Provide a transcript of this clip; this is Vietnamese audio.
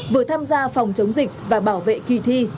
vừa tham gia phòng chống dịch và bảo vệ kỳ thi